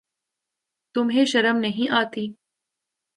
تمہیں شرم نہیں آتی؟